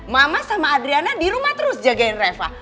mama sama adriana di rumah terus jagain reva